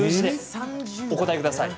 お答えください。